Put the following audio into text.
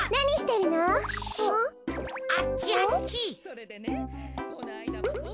それでねこのあいだもね。